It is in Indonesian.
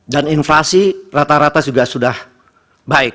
dan inflasi rata rata juga sudah baik